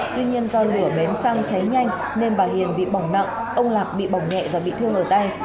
tuy nhiên do lửa bén xăng cháy nhanh nên bà hiền bị bỏng nặng ông lạc bị bỏng nhẹ và bị thương ở tay